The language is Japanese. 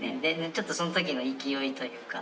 ちょっとその時の勢いというか。